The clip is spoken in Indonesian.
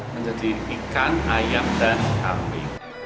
menjadi ikan ayam dan kambing